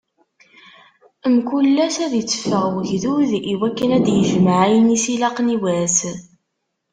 Mkul ass ad itteffeɣ ugdud iwakken ad d-ijmeɛ ayen i s-ilaqen i wass.